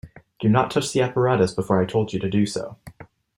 Do not touch the apparatus before I told you to do so.